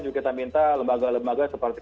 juga kita minta lembaga lembaga seperti